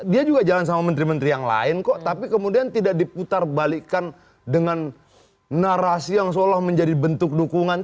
dia juga jalan sama menteri menteri yang lain kok tapi kemudian tidak diputar balikan dengan narasi yang seolah menjadi bentuk dukungan